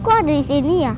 kok ada di sini ya